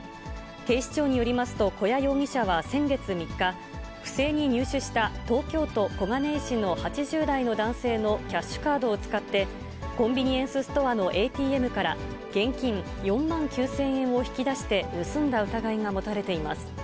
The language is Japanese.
警視庁によりますと、古屋容疑者は先月３日、不正に入手した東京都小金井市の８０代の男性のキャッシュカードを使って、コンビニエンスストアのＡＴＭから現金４万９０００円を引き出して盗んだ疑いが持たれています。